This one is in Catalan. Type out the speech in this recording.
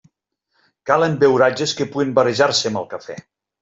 Calen beuratges que puguen barrejar-se amb el café.